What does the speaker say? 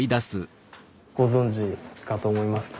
ご存じかと思います。